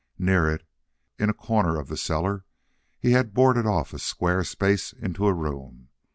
Near it, in a corner of the cellar, he had boarded off a square space into a room.